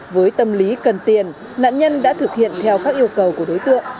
với tâm lý cần tiền nạn nhân đã thực hiện theo các yêu cầu của đối tượng